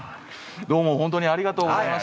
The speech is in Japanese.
どうも本当にありがとうございました。